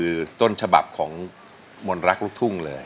คือต้นฉบับของมนรักลูกทุ่งเลย